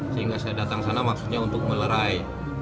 sehingga saya datang sana maksudnya untuk melerai